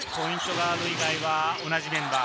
ガード以外は同じメンバー。